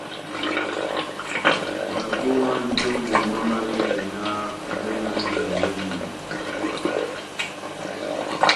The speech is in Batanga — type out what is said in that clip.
Nabowandi o bomamanɛhɛ nah muna wami awedindi.